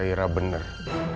bu sairah bener